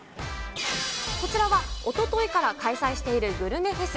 こちらはおとといから開催しているグルメフェス。